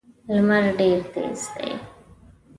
لمر ډېر تېز دی.